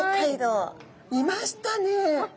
いましたね。